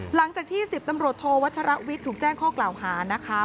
หลังจากที่๑๐ตำรวจโทวัชรวิทย์ถูกแจ้งข้อกล่าวหานะคะ